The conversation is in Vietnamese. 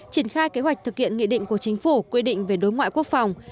triển khai kế hoạch thực hiện nghị định của chính phủ quy định về đối ngoại quốc phòng